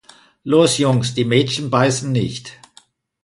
Los Jungs, die Mädchen beißen nicht!